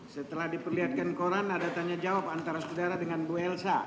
setelah diperlihatkan koran ada tanya jawab antara saudara dengan bu elsa